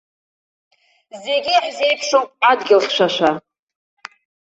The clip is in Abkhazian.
Зегьы иаҳзеиԥшуп адгьылхьшәашәа.